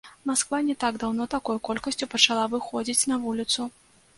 Масква не так даўно такой колькасцю пачала выходзіць на вуліцу.